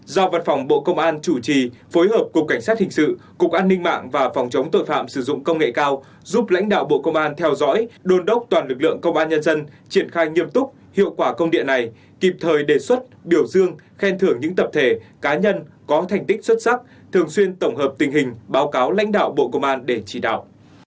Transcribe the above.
bốn do vật phòng bộ công an chủ trì phối hợp cục cảnh sát hình sự cục an ninh mạng và phòng chống tội phạm sử dụng công nghệ cao giúp lãnh đạo bộ công an theo dõi đôn đốc toàn lực lượng công an nhân dân triển khai nghiêm túc hiệu quả công địa này kịp thời đề xuất biểu dương khen thưởng những tập thể cá nhân có thành tích xuất sắc thường xuyên tổng hợp tình hình báo cáo lãnh đạo bộ công an để chỉ đạo